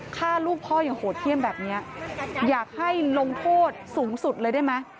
ฆ่าลูกพ่ออย่างโหดเยี่ยมแบบนี้อยากให้ลงโทษสูงสุดเลยได้ไหม